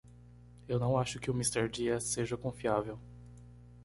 Eu não acho que o Mister Diaz seja confiável.